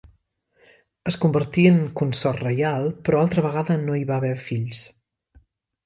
Es convertí en consort reial però altra vegada no hi va haver fills.